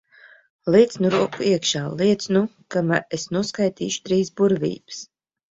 Liec nu roku iekšā, liec nu! Kamēr es noskaitīšu trīs burvības.